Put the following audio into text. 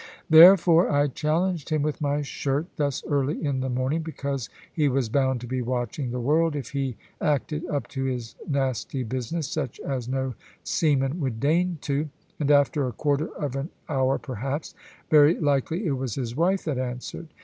Therefore, I challenged him with my shirt, thus early in the morning, because he was bound to be watching the world, if he acted up to his nasty business, such as no seaman would deign to; and after a quarter of an hour perhaps, very likely it was his wife that answered.